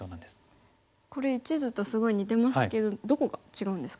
これ１図とすごい似てますけどどこが違うんですか？